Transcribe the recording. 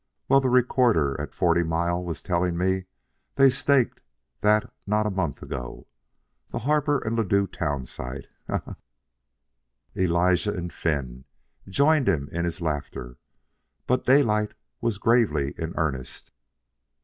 Well, the recorder at Forty Mile was tellin' me they staked that not a month ago The Harper & Ladue Town Site. Ha! Ha! Ha!" Elijah and Finn joined him in his laughter; but Daylight was gravely in earnest.